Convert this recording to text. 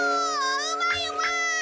うまいうまい！